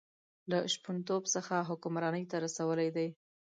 له شپونتوب څخه حکمرانۍ ته رسولی دی.